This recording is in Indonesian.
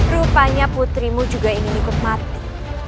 rupanya putrimu juga ingin ikut mati